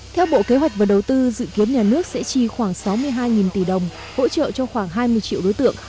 theo bộ kế hoạch và đầu tư dự kiến nhà nước sẽ chi khoảng sáu mươi hai tỷ đồng hỗ trợ cho khoảng hai mươi triệu đối tượng